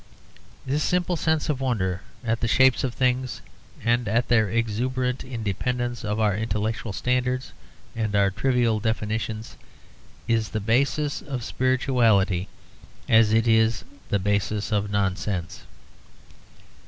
This simple sense of wonder at the shapes of things, and at their exuberant independence of our intellectual standards and our trivial definitions, is the basis of spirituality as it is the basis of nonsense.